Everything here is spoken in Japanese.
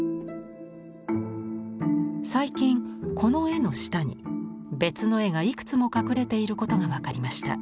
最近この絵の下に別の絵がいくつも隠れていることが分かりました。